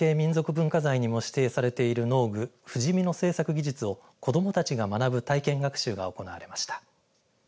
文化財にも指定されている農具藤箕の製作技術を子どもたちが学ぶ体験学習が行われました。